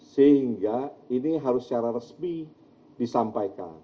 sehingga ini harus secara resmi disampaikan